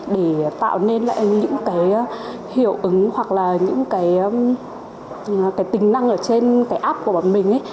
để tạo nên lại những cái hiệu ứng hoặc là những cái tính năng ở trên cái app của bọn mình ấy